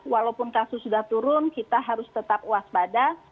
walaupun kasus sudah turun kita harus tetap waspada